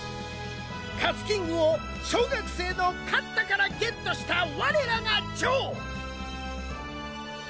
カツキングを小学生の勝太からゲットした我らがジョー！